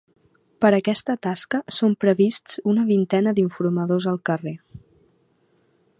Per a aquesta tasca són prevists una vintena d’informadors al carrer.